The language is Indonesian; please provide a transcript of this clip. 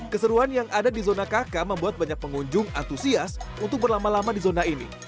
keseruan yang ada di zona kk membuat banyak pengunjung antusias untuk berlama lama di zona ini